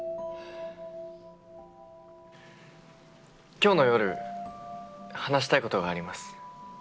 今日の夜話したいことがあります